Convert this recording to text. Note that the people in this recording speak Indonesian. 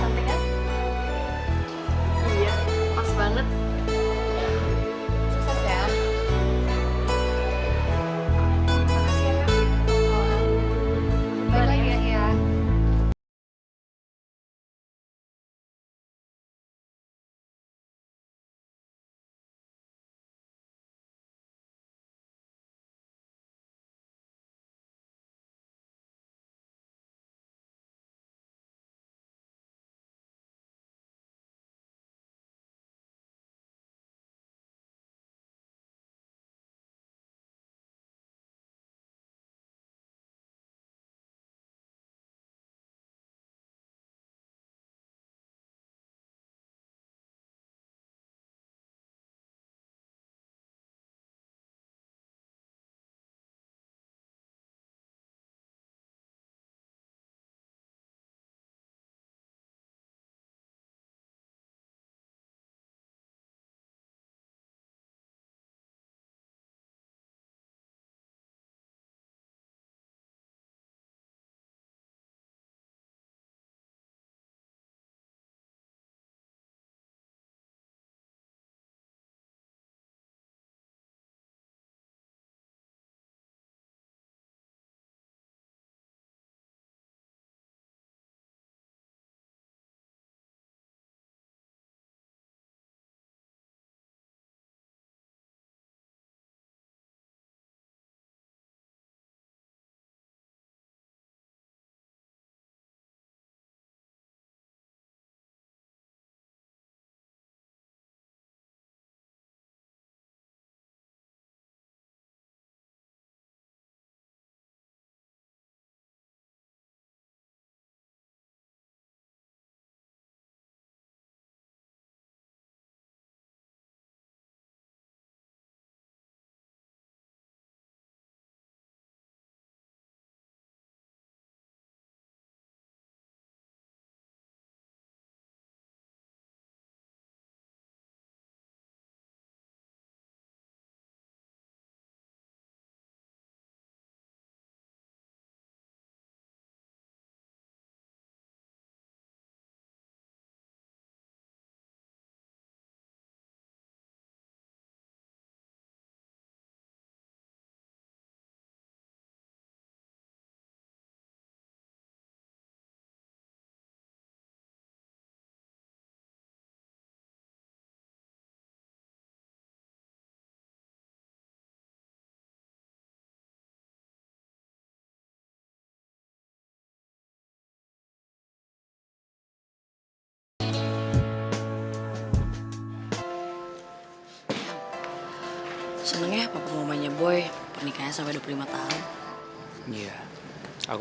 makasih banget deh kak